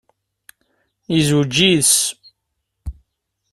Yezweǧ yid-s.